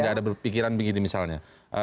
tidak ada pikiran begini misalnya